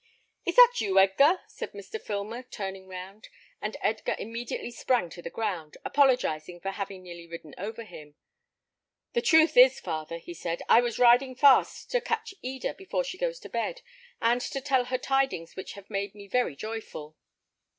"Is that you, Edgar?" said Mr. Filmer, turning round; and Edgar immediately sprang to the ground, apologizing for having nearly ridden over him. "The truth is, father," he said, "I was riding fast to catch dear Eda before she goes to bed, and to tell her the tidings which have made me very joyful."